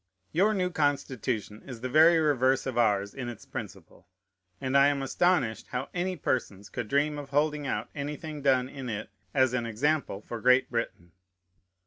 Your new Constitution is the very reverse of ours in its principle; and I am astonished how any persons could dream of holding out anything done in it as an example for Great Britain.